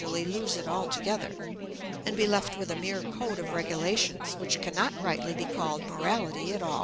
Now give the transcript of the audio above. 203 ally lose it altogether, and be left with a mere code of regulations which cannot rightly be called morality at aU.